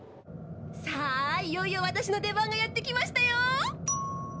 さあいよいよ私の出番がやって来ましたよ！